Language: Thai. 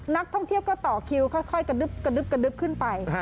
นักท่องเที่ยวก็ต่อคิวค่อยกระดึ๊บขึ้นไป